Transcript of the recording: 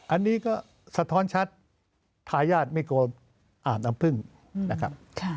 อันนี้ก็สะท้อนชัดทายาทไม่กลัวอาบน้ำพึ่งนะครับ